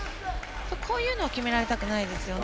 こういうのを決められたくないですね。